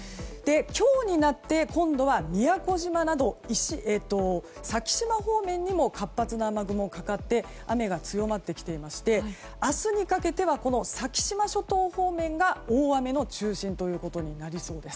今日になって、今度は宮古島など先島方面にも活発な雨雲がかかって雨が強まってきていまして明日にかけては先島諸島方面が大雨の中心となりそうです。